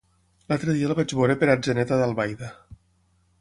L'altre dia el vaig veure per Atzeneta d'Albaida.